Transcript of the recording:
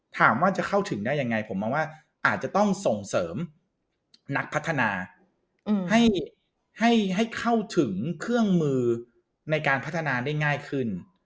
ถามว่าจะเข้าถึงได้ยังไงผมมองว่าอาจจะต้องส่งเสริมนักพัฒนาให้เข้าถึงเครื่องมือในการพัฒนาได้ง่ายขึ้น